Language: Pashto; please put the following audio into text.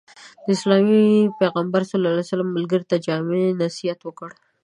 د اسلام پيغمبر ص ملګري ته جامع نصيحت وکړ.